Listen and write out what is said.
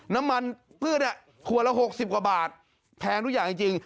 น้ำมันพืชขวดละ๖๐กว่าบาทแพงทุกอย่างจริง